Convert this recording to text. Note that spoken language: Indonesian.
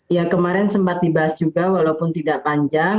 ya kemarin sempat dibahas juga walaupun tidak panjang